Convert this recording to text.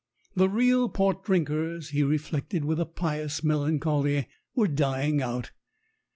The real port drinkers, he reflected with a pious melancholy, were dying out.